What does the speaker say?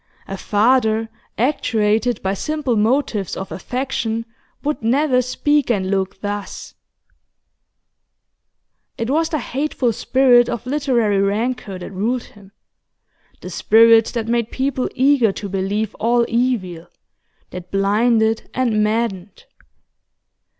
A father actuated by simple motives of affection would never speak and look thus. It was the hateful spirit of literary rancour that ruled him; the spirit that made people eager to believe all evil, that blinded and maddened.